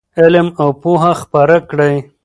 علم او پوهه خپره کړئ.